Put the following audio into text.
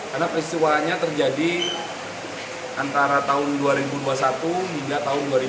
karena peristiwanya terjadi antara tahun dua ribu dua puluh satu hingga tahun dua ribu dua puluh dua